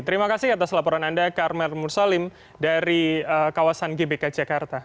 terima kasih atas laporan anda karmel mursalim dari kawasan gbk jakarta